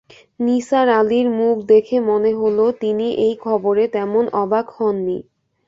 নিসার আলির মুখ দেখে মনে হল, তিনি এই খবরে তেমন অবাক হন নি।